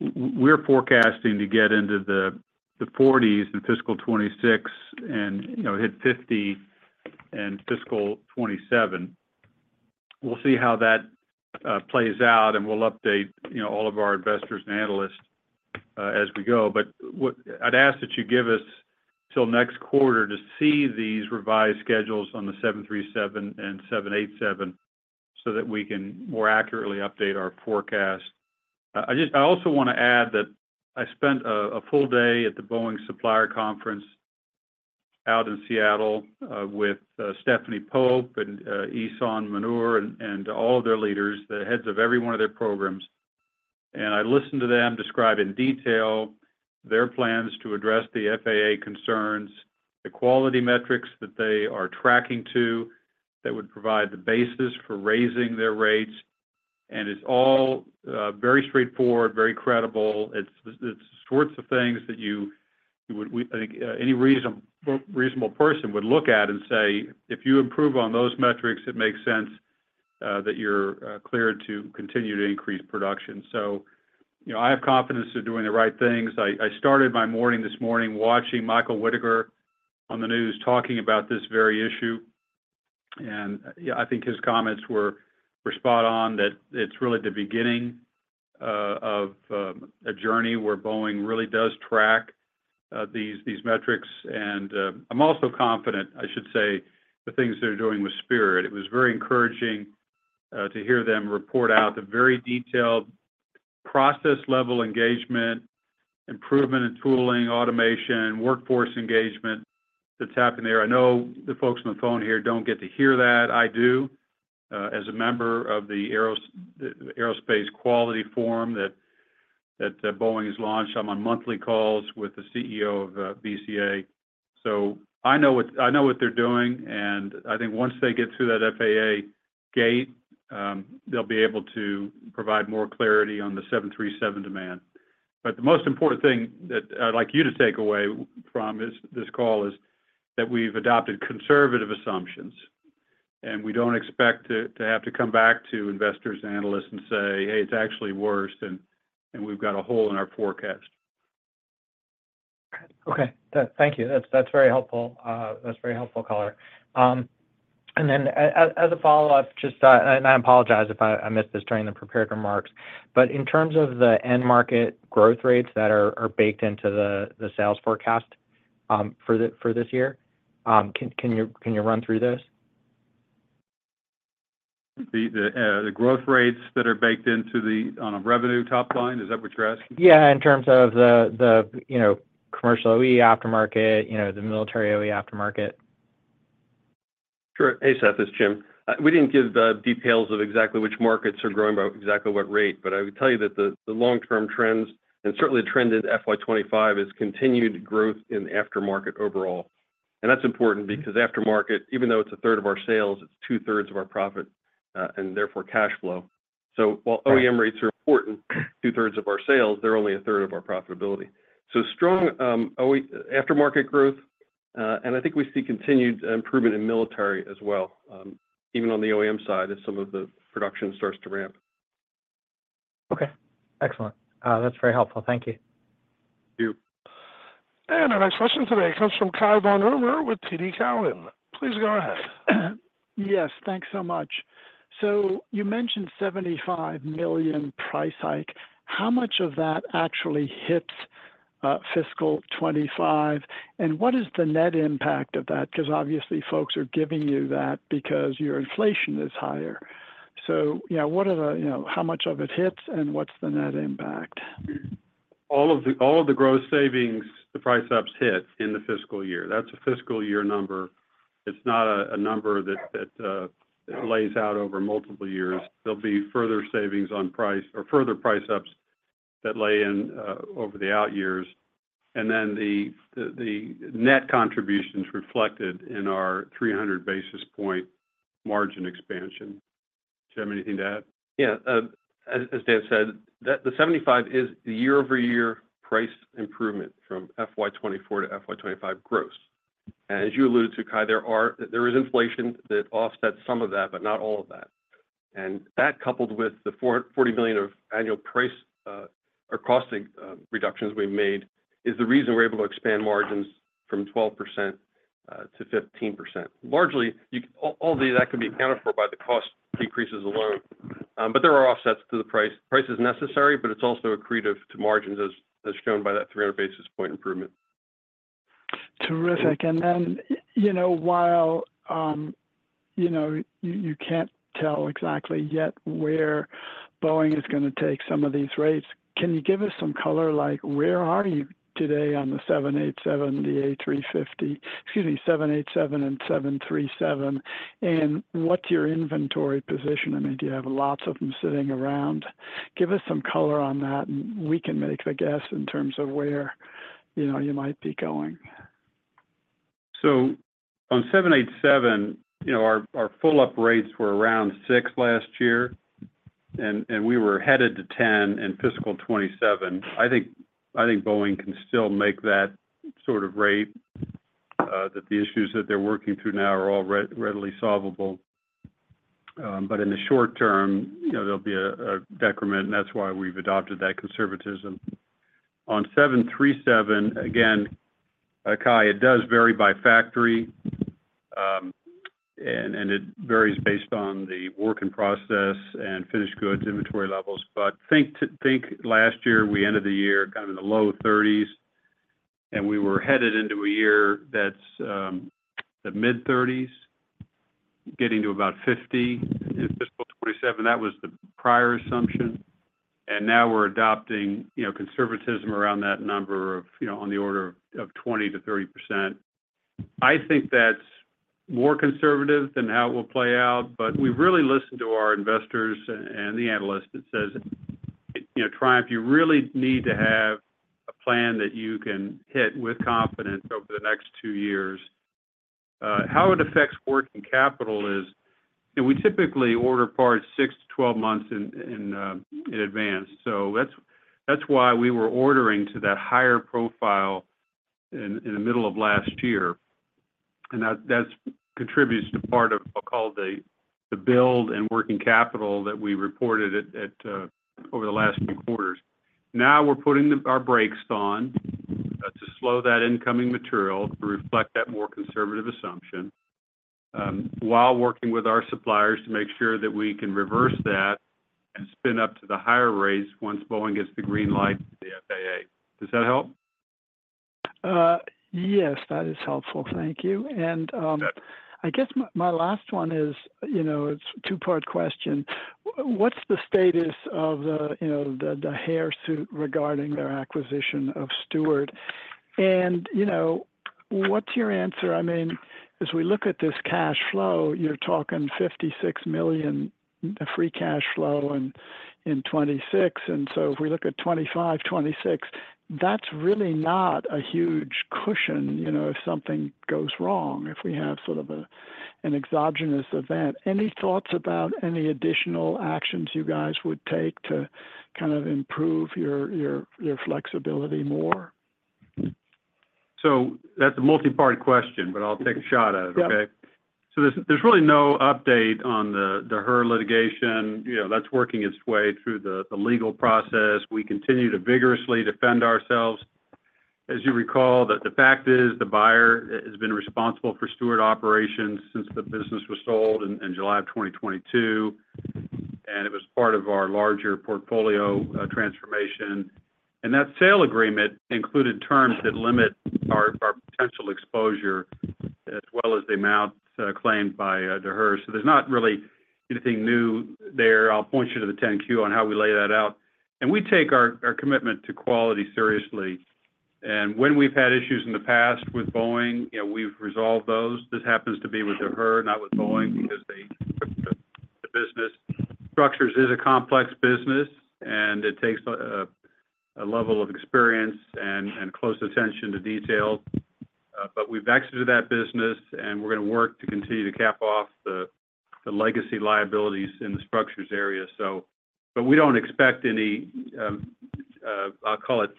we're forecasting to get into the 40s in fiscal 2026 and, you know, hit 50 in fiscal 2027. We'll see how that plays out, and we'll update, you know, all of our investors and analysts, as we go. But I'd ask that you give us till next quarter to see these revised schedules on the 737 and 787 so that we can more accurately update our forecast. I also want to add that I spent a full day at the Boeing Supplier Conference out in Seattle with Stephanie Pope and Ihssane Mounir and all of their leaders, the heads of every one of their programs. And it's all very straightforward, very credible. It's the sorts of things that you would I think any reasonable person would look at and say, "If you improve on those metrics, it makes sense that you're cleared to continue to increase production." So, you know, I have confidence they're doing the right things. I started my morning this morning watching Michael Whitaker on the news, talking about this very issue, and, yeah, I think his comments were spot on, that it's really the beginning of a journey where Boeing really does track these metrics, and I'm also confident, I should say, the things they're doing with Spirit. It was very encouraging to hear them report out the very detailed process-level engagement, improvement in tooling, automation, workforce engagement that's happening there. I know the folks on the phone here don't get to hear that. I do, as a member of the Aerospace Quality Forum that Boeing has launched. I'm on monthly calls with the CEO of BCA. So I know what, I know what they're doing, and I think once they get through that FAA gate, they'll be able to provide more clarity on the 737 demand. But the most important thing that I'd like you to take away from this, this call is that we've adopted conservative assumptions, and we don't expect to have to come back to investors and analysts and say, "Hey, it's actually worse, and we've got a hole in our forecast. Okay. Thank you. That's, that's very helpful. That's very helpful color. And then as a follow-up, just, and I apologize if I missed this during the prepared remarks, but in terms of the end market growth rates that are baked into the sales forecast, for this year, can you run through this? The growth rates that are baked into the, on a revenue top line? Is that what you're asking? Yeah, in terms of the, you know, commercial OE aftermarket, you know, the military OE aftermarket. Sure. Hey, Seth, it's Jim. We didn't give the details of exactly which markets are growing by exactly what rate, but I would tell you that the long-term trends, and certainly the trend in FY 2025, is continued growth in aftermarket overall. And that's important because aftermarket, even though it's a third of our sales, it's two-thirds of our profit, and therefore, cash flow. So while OEM rates are important, two-thirds of our sales, they're only a third of our profitability. So strong OEM aftermarket growth, and I think we see continued improvement in military as well, even on the OEM side, as some of the production starts to ramp. Okay, excellent. That's very helpful. Thank you. Thank you. Our next question today comes from Cai von Rumohr with TD Cowen. Please go ahead. Yes, thanks so much. So you mentioned $75 million price hike. How much of that actually hits fiscal 2025, and what is the net impact of that? Because obviously, folks are giving you that because your inflation is higher. So yeah, what are the, you know, how much of it hits, and what's the net impact? All of the gross savings, the price ups hit in the fiscal year. That's a fiscal year number. It's not a number that lays out over multiple years. There'll be further savings on price or further price ups that lay in over the out years, and then the net contributions reflected in our 300 basis point margin expansion. Jim, anything to add? Yeah, as Dan said, the $75 million is the year-over-year price improvement from FY 2024 to FY 2025 gross. As you alluded to, Cai, there is inflation that offsets some of that, but not all of that. That, coupled with the $440 million of annual price or costing reductions we've made, is the reason we're able to expand margins from 12% to 15%. Largely, all that can be accounted for by the cost decreases alone, but there are offsets to the price. Price is necessary, but it's also accretive to margins, as shown by that 300 basis point improvement. Terrific. And then, you know, while, you know, you can't tell exactly yet where Boeing is gonna take some of these rates, can you give us some color, like, where are you today on the 787, the A350, excuse me, 787 and 737? And what's your inventory position? I mean, do you have lots of them sitting around? Give us some color on that, and we can make the guess in terms of where, you know, you might be going. On 787, you know, our full-up rates were around six last year, and we were headed to 10 in fiscal 2027. I think Boeing can still make that sort of rate, that the issues that they're working through now are all readily solvable. But in the short term, you know, there'll be a decrement, and that's why we've adopted that conservatism. On 737, again, Cai, it does vary by factory, and it varies based on the work in process and finished goods inventory levels. But think last year, we ended the year kind of in the low 30s, and we were headed into a year that's the mid-30s, getting to about 50. In fiscal 2027, that was the prior assumption, and now we're adopting, you know, conservatism around that number of, you know, on the order of 20%-30%. I think that's more conservative than how it will play out, but we really listened to our investors and the analysts that says, "You know, Triumph, you really need to have a plan that you can hit with confidence over the next two years." How it affects working capital is-- And we typically order parts six, 12 months in advance, so that's why we were ordering to that higher profile in the middle of last year. And that contributes to part of what's called the build in working capital that we reported over the last few quarters. Now, we're putting our brakes on to slow that incoming material to reflect that more conservative assumption, while working with our suppliers to make sure that we can reverse that and spin up to the higher rates once Boeing gets the green light from the FAA. Does that help? Yes, that is helpful. Thank you. Sure. And, I guess my last one is, you know, it's a two-part question. What's the status of the, you know, the Daher suit regarding their acquisition of Stuart? And, you know, what's your answer? I mean, as we look at this cash flow, you're talking $56 million free cash flow in 2026. And so if we look at 2025, 2026, that's really not a huge cushion, you know, if something goes wrong, if we have sort of an exogenous event. Any thoughts about any additional actions you guys would take to kind of improve your flexibility more? That's a multi-part question, but I'll take a shot at it, okay? Yep. So there's really no update on the Daher litigation. You know, that's working its way through the legal process. We continue to vigorously defend ourselves. As you recall, the fact is, the buyer has been responsible for Stuart operations since the business was sold in July of 2022, and it was part of our larger portfolio transformation. And that sale agreement included terms that limit our potential exposure, as well as the amounts claimed by Daher. So there's not really anything new there. I'll point you to the 10-Q on how we lay that out. And we take our commitment to quality seriously. And when we've had issues in the past with Boeing, you know, we've resolved those. This happens to be with Daher, not with Boeing, because they the business. Structures is a complex business, and it takes a level of experience and close attention to detail, but we've exited that business, and we're going to work to continue to cap off the legacy liabilities in the Structures area. But we don't expect any, I'll call it,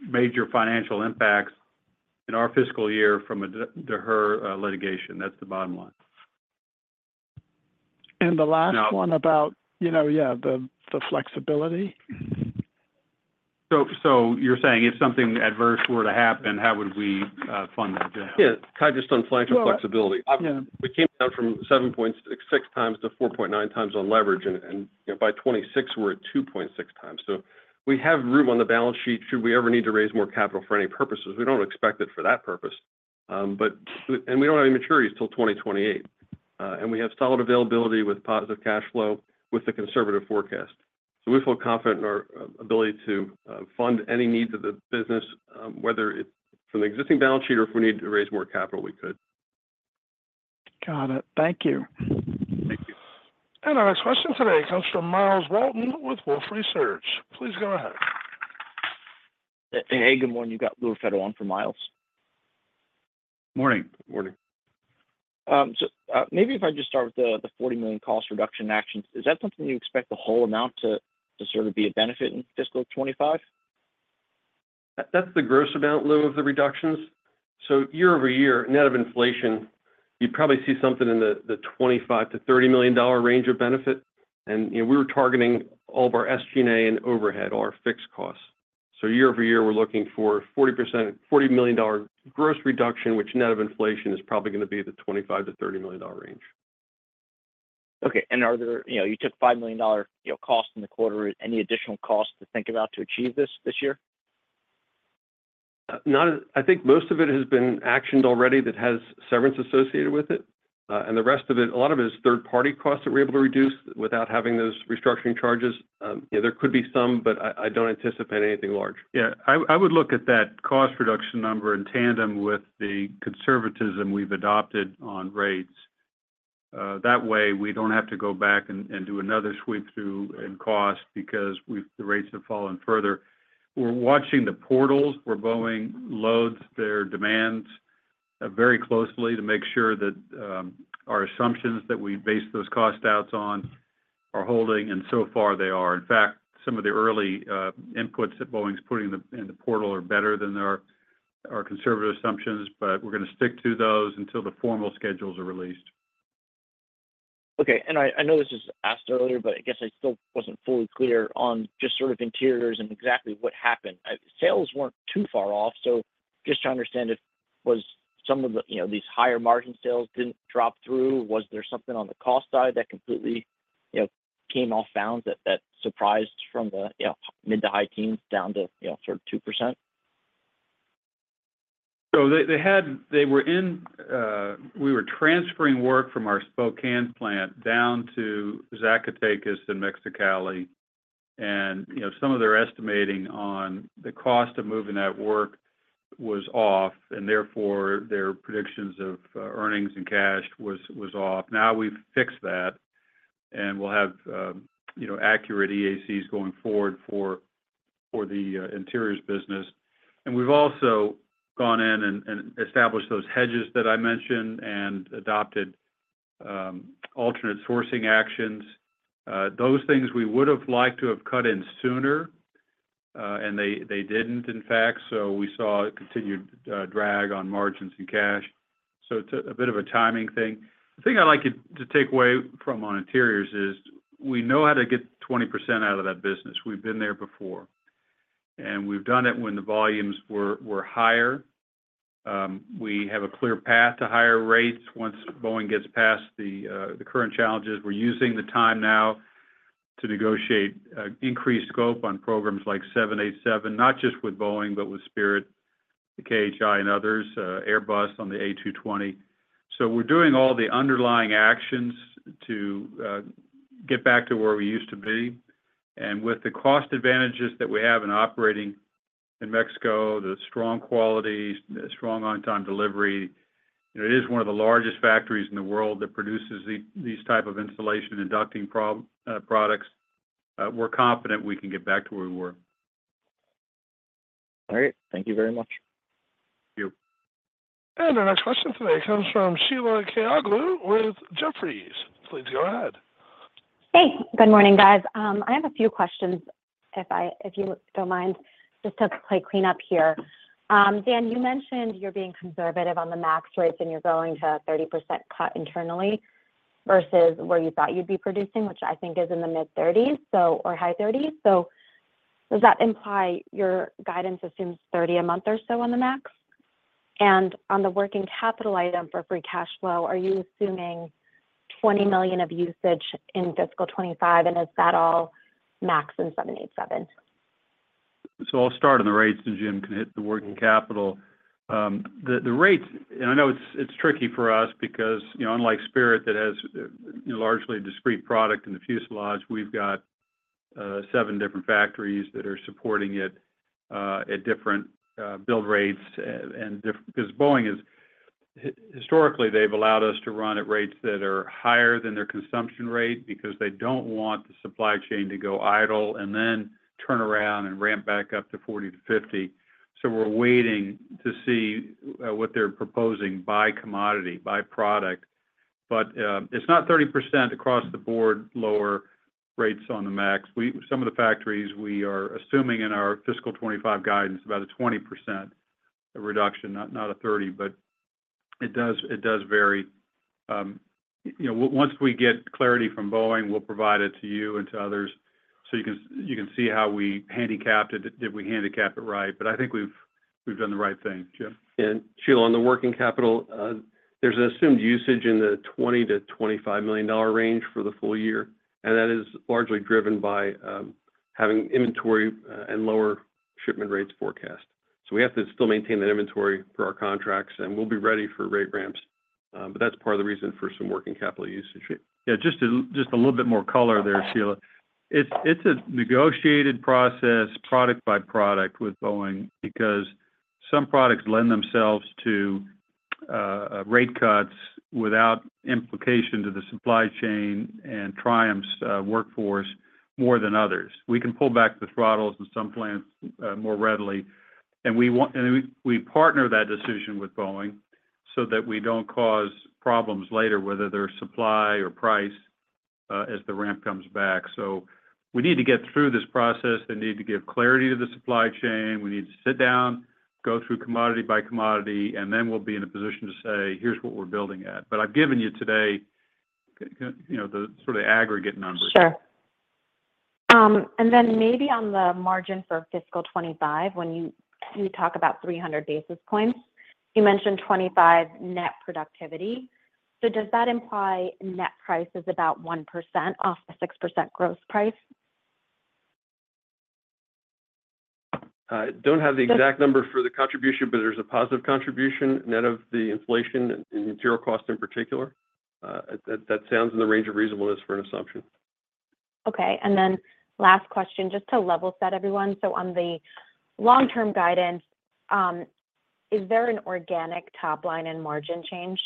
major financial impacts in our fiscal year from a Daher litigation. That's the bottom line. And the last- Now- one about, you know, yeah, the flexibility? So you're saying if something adverse were to happen, how would we fund the deal? Yeah. Cai, just on financial flexibility- Yeah. We came down from 7.6x to 4.9x on leverage, and, you know, by 2026, we're at 2.6x. So we have room on the balance sheet should we ever need to raise more capital for any purposes. We don't expect it for that purpose. And we don't have any maturities till 2028, and we have solid availability with positive cash flow with the conservative forecast. So we feel confident in our ability to fund any needs of the business, whether it's from the existing balance sheet or if we need to raise more capital, we could. Got it. Thank you. Thank you. Our next question today comes from Myles Walton with Wolfe Research. Please go ahead. Hey, good morning. You got Lou Raffetto on for Myles. Morning. Morning. So, maybe if I just start with the $40 million cost reduction actions. Is that something you expect the whole amount to sort of be a benefit in fiscal 2025? That's the gross amount, Lou, of the reductions. So year-over-year, net of inflation, you'd probably see something in the $25 million-$30 million range of benefit. And, you know, we were targeting all of our SG&A and overhead, our fixed costs. So year-over-year, we're looking for 40%, $40 million dollar gross reduction, which net of inflation, is probably going to be the $25 million-$30 million range. Okay. And are there... You know, you took $5 million, you know, cost in the quarter. Any additional costs to think about to achieve this, this year? Not as—I think most of it has been actioned already that has severance associated with it, and the rest of it, a lot of it is third-party costs that we're able to reduce without having those restructuring charges. You know, there could be some, but I, I don't anticipate anything large. Yeah. I would look at that cost reduction number in tandem with the conservatism we've adopted on rates. That way, we don't have to go back and do another sweep through in cost because we've—the rates have fallen further. We're watching the portals, where Boeing loads their demands, very closely to make sure that our assumptions that we base those cost outs on are holding, and so far, they are. In fact, some of the early inputs that Boeing's putting in the portal are better than our conservative assumptions, but we're going to stick to those until the formal schedules are released. Okay. And I know this was asked earlier, but I guess I still wasn't fully clear on just sort of Interiors and exactly what happened. Sales weren't too far off, so just to understand if was some of the, you know, these higher margin sales didn't drop through, was there something on the cost side that completely, you know, came off bounds that surprised from the, you know, mid- to high-teens down to, you know, sort of 2%? So they had. They were in. We were transferring work from our Spokane plant down to Zacatecas and Mexicali. And, you know, some of their estimating on the cost of moving that work was off, and therefore, their predictions of earnings and cash was off. Now, we've fixed that, and we'll have, you know, accurate EACs going forward for the Interiors business. And we've also gone in and established those hedges that I mentioned and adopted alternate sourcing actions. Those things we would have liked to have cut in sooner, and they didn't, in fact. So we saw a continued drag on margins and cash. So it's a bit of a timing thing. The thing I'd like you to take away from on Interiors is, we know how to get 20% out of that business. We've been there before. And we've done it when the volumes were higher. We have a clear path to higher rates once Boeing gets past the current challenges. We're using the time now to negotiate increased scope on programs like 787, not just with Boeing, but with Spirit, the KHI and others, Airbus on the A220. So we're doing all the underlying actions to get back to where we used to be. And with the cost advantages that we have in operating in Mexico, the strong quality, the strong on-time delivery, it is one of the largest factories in the world that produces these type of installation and induction products. We're confident we can get back to where we were. All right. Thank you very much. Thank you. Our next question today comes from Sheila Kahyaoglu with Jefferies. Please go ahead. Hey, good morning, guys. I have a few questions, if you don't mind, just to play clean up here. Dan, you mentioned you're being conservative on the MAX rates, and you're going to 30% cut internally versus where you thought you'd be producing, which I think is in the mid-30s, so, or high 30s. So does that imply your guidance assumes 30 a month or so on the MAX? And on the working capital item for free cash flow, are you assuming $20 million of usage in fiscal 2025, and is that all MAX in 787? So I'll start on the rates, and Jim can hit the working capital. The rates, and I know it's tricky for us because, you know, unlike Spirit, that has largely a discrete product in the fuselage, we've got seven different factories that are supporting it at different build rates. And because Boeing is historically, they've allowed us to run at rates that are higher than their consumption rate because they don't want the supply chain to go idle and then turn around and ramp back up to 40-50. So we're waiting to see what they're proposing by commodity, by product. But it's not 30% across the board, lower rates on the MAX. Some of the factories, we are assuming in our fiscal 2025 guidance, about a 20% reduction, not, not a 30%, but it does, it does vary. You know, once we get clarity from Boeing, we'll provide it to you and to others, so you can, you can see how we handicapped it, did we handicap it right? But I think we've, we've done the right thing. Jim? And Sheila, on the working capital, there's an assumed usage in the $20 million-$25 million range for the full year, and that is largely driven by having inventory and lower shipment rates forecast. So we have to still maintain that inventory for our contracts, and we'll be ready for rate ramps, but that's part of the reason for some working capital usage. Yeah, just a little bit more color there, Sheila. It's a negotiated process, product by product with Boeing, because some products lend themselves to rate cuts without implication to the supply chain and Triumph's workforce, more than others. We can pull back the throttles in some plants more readily, and we partner that decision with Boeing so that we don't cause problems later, whether they're supply or price, as the ramp comes back. So we need to get through this process. They need to give clarity to the supply chain. We need to sit down, go through commodity by commodity, and then we'll be in a position to say, "Here's what we're building at." But I've given you today, you know, the sort of aggregate numbers. Sure. And then maybe on the margin for fiscal 2025, when you, you talk about 300 basis points, you mentioned 25 basis points net productivity. So does that imply net price is about 1% off the 6% gross price? I don't have the exact number for the contribution, but there's a positive contribution, net of the inflation in material cost in particular. That sounds in the range of reasonableness for an assumption. Okay, and then last question, just to level set everyone, so on the long-term guidance, is there an organic top line and margin change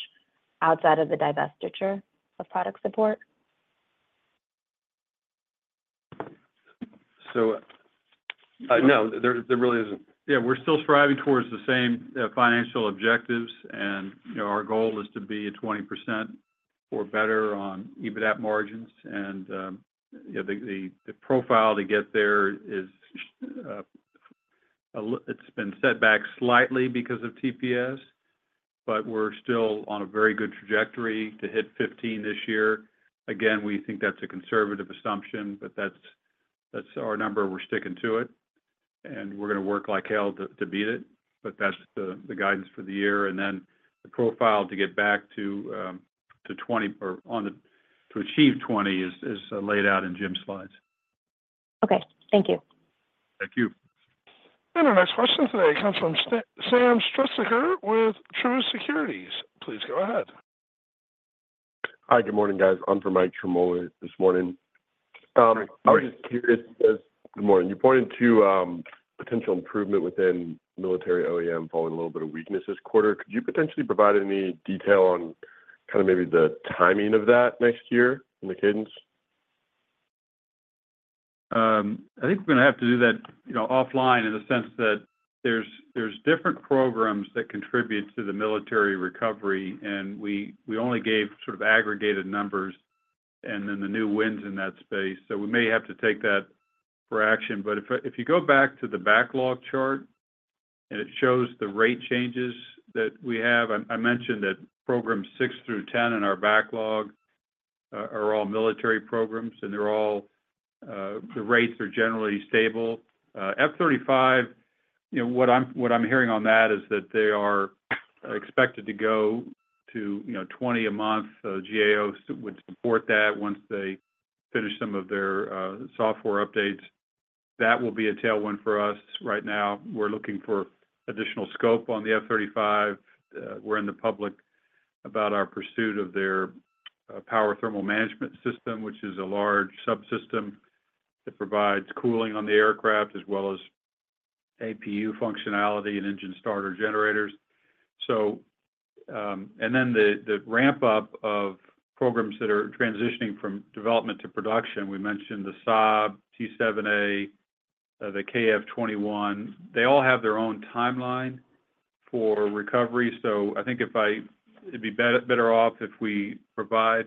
outside of the divestiture of Product Support? So, no, there, there really isn't. Yeah, we're still striving towards the same, financial objectives, and, you know, our goal is to be at 20% or better on EBITDA margins. And, you know, the, the profile to get there is, it's been set back slightly because of TPS, but we're still on a very good trajectory to hit 15% this year. Again, we think that's a conservative assumption, but that's, that's our number. We're sticking to it, and we're going to work like hell to, to beat it, but that's the, the guidance for the year. And then the profile to get back to, to 20% or to achieve 20% is, is laid out in Jim's slides. Okay. Thank you. Thank you. Our next question today comes from Sam Struhsaker with Truist Securities. Please go ahead. Hi, good morning, guys. I'm Mike Ciarmoli this morning. Good morning. I was just curious. Good morning. You pointed to potential improvement within military OEM following a little bit of weakness this quarter. Could you potentially provide any detail on kind of maybe the timing of that next year in the cadence? I think we're going to have to do that, you know, offline in the sense that there's, there's different programs that contribute to the military recovery, and we, we only gave sort of aggregated numbers and then the new wins in that space. So we may have to take that for action. But if, if you go back to the backlog chart, and it shows the rate changes that we have, I mentioned that programs six through 10 in our backlog are all military programs, and they're all the rates are generally stable. F-35, you know, what I'm, what I'm hearing on that is that they are expected to go to, you know, 20 a month. So GAO would support that once they finish some of their software updates. That will be a tailwind for us. Right now, we're looking for additional scope on the F-35. We're in the public about our pursuit of their Power Thermal Management System, which is a large subsystem that provides cooling on the aircraft, as well as APU functionality and engine starter generators. And then the ramp-up of programs that are transitioning from development to production, we mentioned the Saab T-7A, the KF-21. They all have their own timeline for recovery. So I think it'd be better off if we provide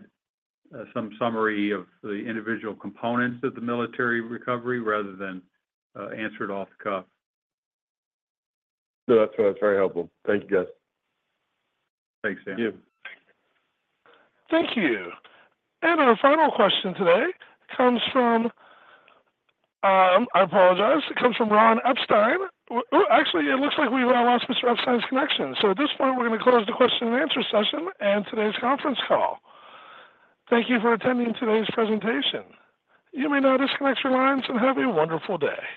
some summary of the individual components of the military recovery rather than answer it off the cuff. That's very helpful. Thank you, guys. Thanks, Mike. Thank you. Thank you. And our final question today comes from, I apologize. It comes from Ron Epstein. Well, actually, it looks like we lost Mr. Epstein's connection. So at this point, we're going to close the question-and-answer session and today's conference call. Thank you for attending today's presentation. You may now disconnect your lines and have a wonderful day.